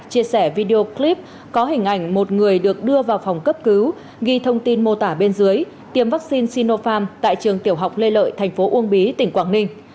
chia sẻ video clip có hình ảnh một người được đưa vào phòng cấp cứu ghi thông tin mô tả bên dưới tiêm vaccine sinopharm tại trường tiểu học lê lợi thành phố uông bí tỉnh quảng ninh